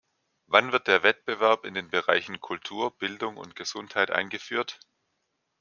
Wann wird der Wettbewerb in den Bereichen Kultur, Bildung und Gesundheit eingeführt?